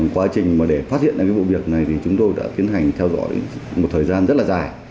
quá trình để phát hiện bộ việc này thì chúng tôi đã tiến hành theo dõi một thời gian rất là dài